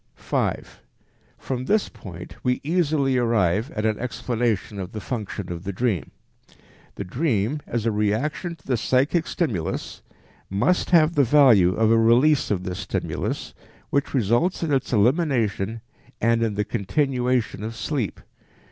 5. From this point we easily arrive at an explanation of the function of the dream. The dream, as a reaction to the psychic stimulus, must have the value of a release of this stimulus which results in its elimination and in the continuation of sleep.